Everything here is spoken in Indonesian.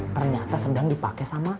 ternyata sedang dipake sama